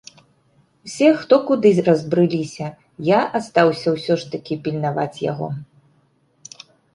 Усе хто куды разбрыліся, я астаўся ўсё ж такі пільнаваць яго.